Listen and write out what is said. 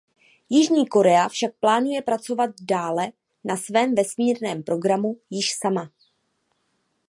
Jižní Korea však plánuje pracovat dále na svém vesmírném programu již sama.